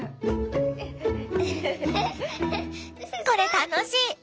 これ楽しい！